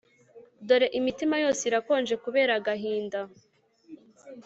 Dore imitima yose irakonje kuera agahinda